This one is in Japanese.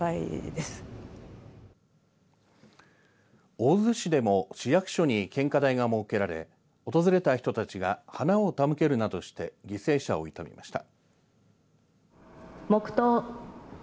大洲市でも市役所に献花台が設けられ訪れた人たちが花を手向けるなどして犠牲者を悼みました。